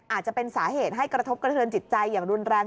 อาจจะเป็นสาเหตุให้กระทบกระเทือนจิตใจอย่างรุนแรง